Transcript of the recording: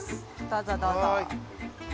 どうぞどうぞ。